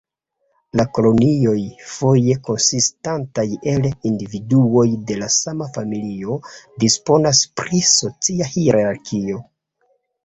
La kolonioj, foje konsistantaj el individuoj de la sama familio, disponas pri socia hierarkio.